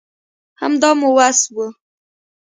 همدا مو وس وو